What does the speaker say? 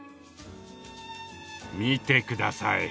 見てください。